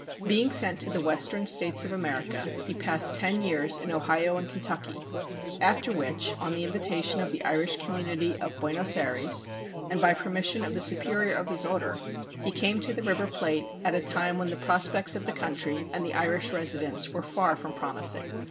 Being sent to the western states of America, he passed ten years in Ohio and Kentucky, after which, on the invitation of the Irish community of Buenos Ayres and by permission of the superior of his Order, he came to the river Plate at a time when the prospects of the country and of the Irish residents were far from promising.